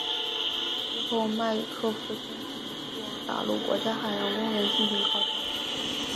之后麦克弗森自己去往达鲁国家海洋公园进行考察。